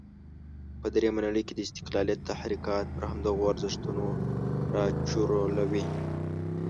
په درېمه نړۍ کې د استقلالیت تحرکات پر همدغو ارزښتونو راچورلوي.